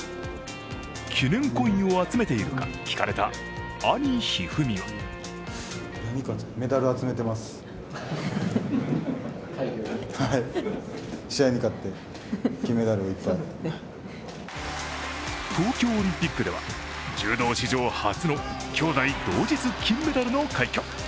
記念コインを集めているか聞かれた兄・一二三は東京オリンピックでは柔道史上初のきょうだい同日金メダルの快挙。